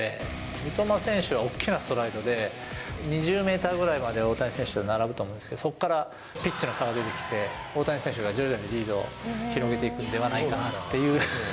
三笘選手は大きなストライドで、２０メーターぐらいまで大谷選手と並ぶと思うんですけれども、そこからピッチの差が出てきて、大谷選手が徐々にリードを広げていくんではないかなっていう。